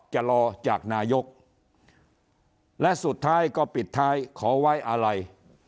จะรอจากนายกและสุดท้ายก็ปิดท้ายขอไว้อะไร